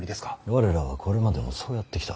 我らはこれまでもそうやってきた。